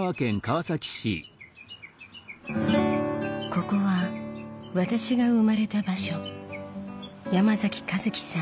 ここは私が生まれた場所山崎和樹さん